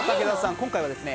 今回はですね